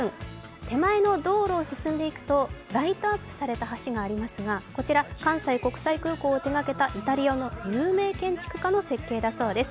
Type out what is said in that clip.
手前の道路を進んでいくとライトアップされた橋がありますがこちら関西国際空港を手がけたイタリアの有名建築家の設計だそうです。